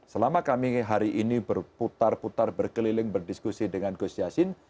selama kami hari ini berputar putar berkeliling berdiskusi dengan gus yassin